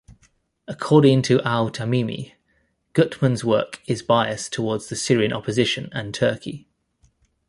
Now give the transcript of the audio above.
According to Al-Tamimi, Gutman's work is biased towards the Syrian opposition and Turkey.